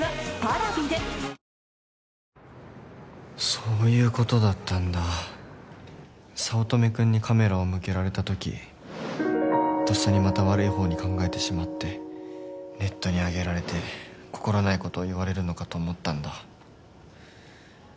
そういうことだったんだ早乙女君にカメラを向けられたときとっさにまた悪い方に考えてしまってネットに上げられて心ないことを言われるのかと思ったんだ